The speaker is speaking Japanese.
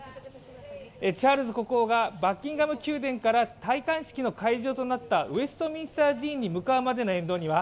チャールズ国王がバッキンガム宮殿から戴冠式の会場となったウェストミンスター寺院に向かうまでの沿道には